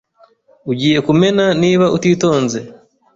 Ugiye kumena niba utitonze.